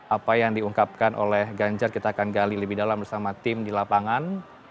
apa yang diungkapkan oleh ganjar kita akan gali lebih dalam bersama tim di lapangan